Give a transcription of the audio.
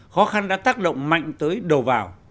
khó khăn đã tác động mạnh tới đầu vào